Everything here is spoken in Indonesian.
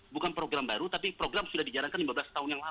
bukan program baru tapi program sudah dijalankan lima belas tahun yang lalu